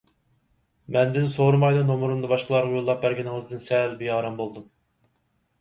مەندىن سورىمايلا نومۇرۇمنى باشقىلارغا يوللاپ بەرگىنىڭىزدىن سەل بىئارام بولدۇم.